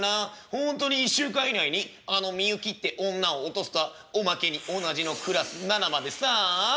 ほんとに１週間以内にあのみゆきって女を落とすとはおまけに同じのクラスナナまでさあ」。